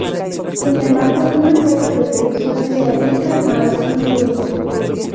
Sin embargo, unas pocas excepciones se aplican a algunos grupos.